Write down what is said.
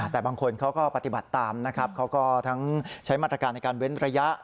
แต่บางคนเขาก็ปฏิบัติตามนะครับเขาก็ทั้งใช้มาตรการในการเว้นระยะ